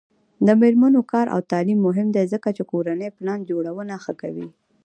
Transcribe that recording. د میرمنو کار او تعلیم مهم دی ځکه چې کورنۍ پلان جوړونه ښه کوي.